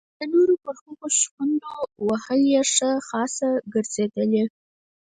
د نورو پر هغو شخوند وهل یې ښه خاصه ګرځېدلې.